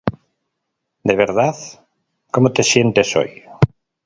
De verdad, ¿cómo te sientes hoy?